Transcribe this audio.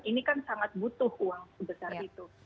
ini kan sangat butuh uang sebesar itu